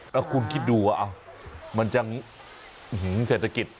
แล้วคุณคิดดูว่ามันจะเศรษฐกิจ